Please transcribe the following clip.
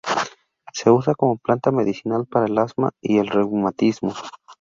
Se usa como planta medicinal para el asma y el reumatismo.